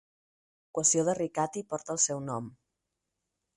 L'equació de Riccati porta el seu nom.